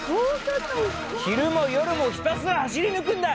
昼も夜もひたすら走り抜くんだ！